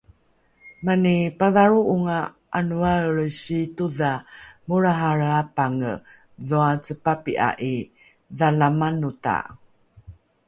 Mani padhalro'onga 'anoaelre siitodha molrahalre apange dhoace papi'a 'i Dhalamanota